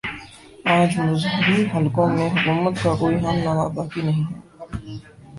آج مذہبی حلقوں میں حکومت کا کوئی ہم نوا باقی نہیں ہے